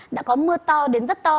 đã có mưa to đến rất to